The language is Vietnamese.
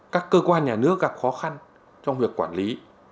các cơ quan nhà nước gặp khó khăn trong việc quản lý